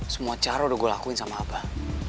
semua cara udah gue lakuin sama abang